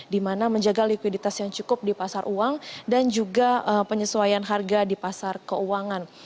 dimana menjaga likuiditas yang cukup di pasar uang dan juga penyesuaian harga di pasar keuangan